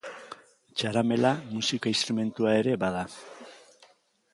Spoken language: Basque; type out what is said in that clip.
Txaramela, musika instrumentua ere bada.